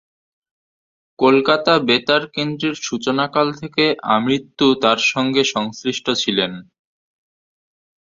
কলকাতা বেতার কেন্দ্রের সূচনাকাল থেকে আমৃত্যু তার সঙ্গে সংশ্লিষ্ট ছিলেন।